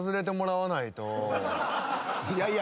いやいや。